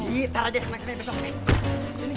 ntar aja seneng seneng besok